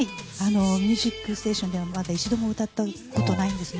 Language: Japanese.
「ミュージックステーション」ではまだ一度も歌ったことないんですね。